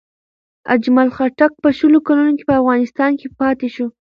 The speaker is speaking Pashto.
اجمل خټک په شل کلونو کې په افغانستان کې پاتې شو.